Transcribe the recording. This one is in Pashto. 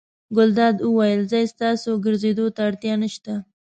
ګلداد وویل: ځئ ستاسې ګرځېدو ته اړتیا نه شته.